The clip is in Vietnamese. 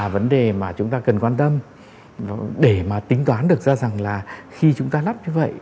vấn đề mà chúng ta cần quan tâm để mà tính toán được ra rằng là khi chúng ta lắp như vậy